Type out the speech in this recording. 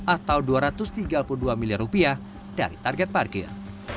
atau dua ratus tiga puluh dua miliar rupiah dari target parkir